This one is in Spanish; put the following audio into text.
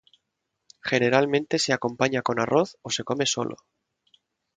Generalmente se acompaña con arroz, o se come solo.